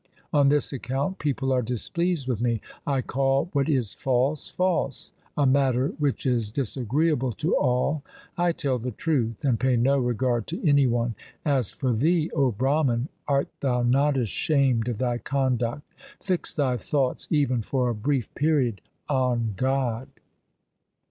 On this account people are displeased with me. I call what is false false — a matter which is disagreeable to all. I tell the truth, and pay no regard to any one. As for thee, O Brahman, art thou not ashamed of thy conduct ? Fix thy thoughts even for a brief period on God.